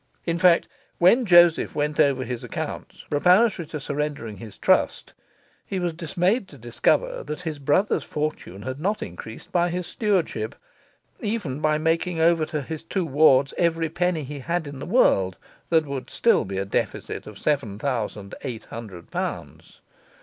In fact, when Joseph went over his accounts preparatory to surrendering his trust, he was dismayed to discover that his brother's fortune had not increased by his stewardship; even by making over to his two wards every penny he had in the world, there would still be a deficit of seven thousand eight hundred pounds.